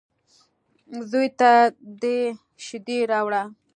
_زوی ته دې شېدې راوړه.